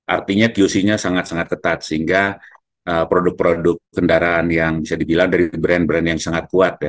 artinya qc nya sangat sangat ketat sehingga produk produk kendaraan yang bisa dibilang dari brand brand yang sangat kuat ya